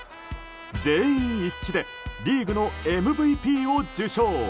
全員一致でリーグのＭＶＰを受賞。